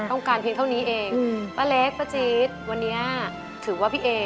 ต้องการเพียงเท่านี้เองป้าเล็กป้าจิทธิ์วันนี้